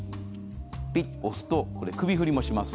ピッと押すと首振りもします。